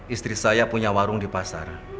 istri saya punya warung di pasar